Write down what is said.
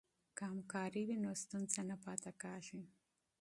که همکاري وي نو ستونزه نه پاتې کیږي.